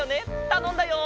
たのんだよ！